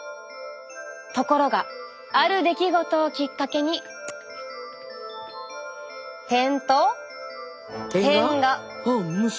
ところがある出来事をきっかけに点と点が。